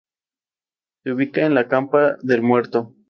Se ubica en la campa del Muerto.